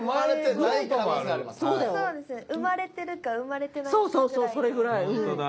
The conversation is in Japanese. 生まれてるか生まれてないかぐらいの。